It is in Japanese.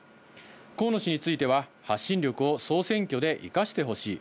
河野氏については、発信力を総選挙で生かしてほしい。